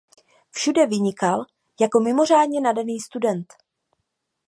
Všude vynikal jako mimořádně nadaný student.